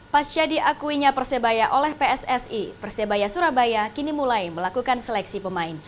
pas jadi akuinya persebaya oleh pssi persebaya surabaya kini mulai melakukan seleksi pemain